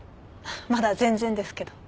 まだ全然ですけど。